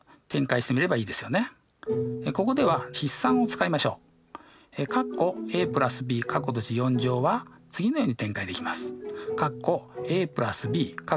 ここでは筆算を使いましょう。は次のように展開できます。